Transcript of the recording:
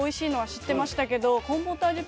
知ってましたけど。